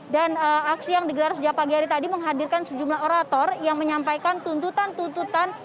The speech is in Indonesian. dan aksi yang digelar sejak pagi hari tadi menghadirkan sejumlah orator yang menyampaikan tuntutan tuntutan